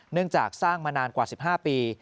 จากสร้างมานานกว่า๑๕ปี